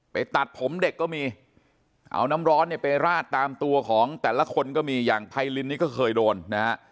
ตัดผมเด็กก็มีเอาน้ำร้อนเนี่ยไปราดตามตัวของแต่ละคนก็มีอย่างไพรินนี่ก็เคยโดนนะฮะ